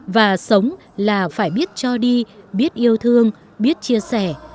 và sống là phải biết cho đi biết yêu thương biết chia sẻ